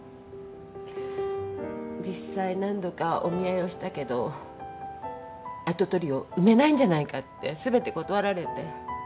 実際何度かお見合いをしたけど跡取りを産めないんじゃないかって全て断られて。